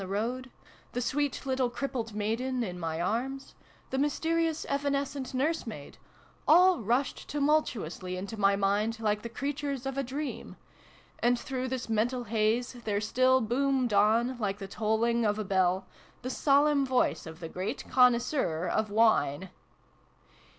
149 the road the sweet little crippled maiden in my arms the mysterious evanescent nurse maid all rushed tumultuously into my mind, like the creatures of a dream : and through this mental haze there still boomed on, like the tolling of a bell, the solemn voice of the great connoisseur of WINE